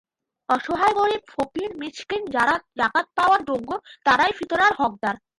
অসহায় গরিব, ফকির, মিসকিন যারা জাকাত পাওয়ার যোগ্য, তারাই ফিতরার হকদার।